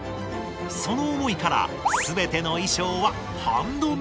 その思いから全ての衣装はハンドメイド。